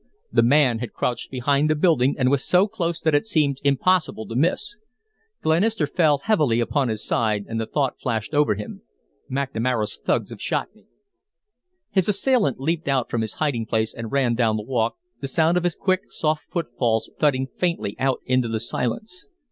The man had crouched behind the building and was so close that it seemed impossible to miss. Glenister fell heavily upon his side and the thought flashed over him, "McNamara's thugs have shot me." His assailant leaped out from his hiding place and ran down the walk, the sound of his quick, soft footfalls thudding faintly out into the silence.